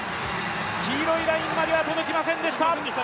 黄色いラインまでは届きませんでした。